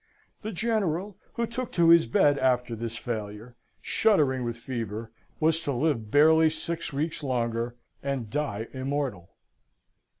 The General, who took to his bed after this failure, shuddering with fever, was to live barely six weeks longer, and die immortal!